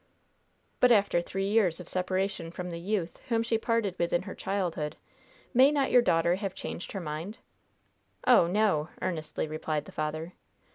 "But after three years of separation from the youth whom she parted with in her childhood, may not your daughter have changed her mind?" "Oh, no!" earnestly replied the father.